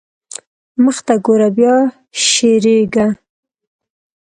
مخته ګوره بيا شېرېږا.